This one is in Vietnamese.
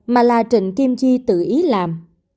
mà là trịnh kim chi tự ý làm